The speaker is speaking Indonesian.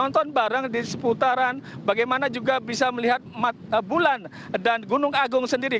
nonton bareng di seputaran bagaimana juga bisa melihat bulan dan gunung agung sendiri